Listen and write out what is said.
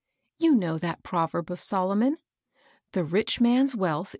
You know that proverb of Solomon, — *The rich man's wealth